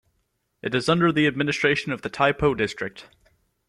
It is under the administration of the Tai Po District.